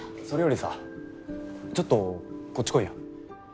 それよりさちょっとこっち来いよ。